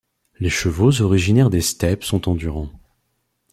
Les chevaux originaires des steppes sont endurants.